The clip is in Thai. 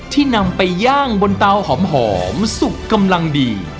นำไปย่างบนเตาหอมสุกกำลังดี